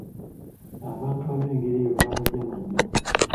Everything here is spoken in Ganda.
Abantu ab'engeri eyo baba bajama nnyo.